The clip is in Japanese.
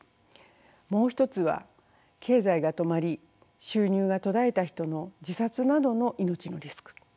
もう一つは経済が止まり収入が途絶えた人の自殺などの命のリスク。